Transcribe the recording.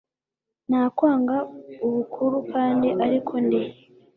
nakwanga ubukuru kandi ariko ndi